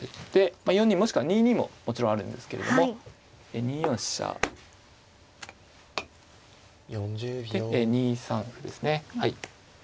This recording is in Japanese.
まあ４二もしくは２二ももちろんあるんですけれども２四飛車で２三歩ですね。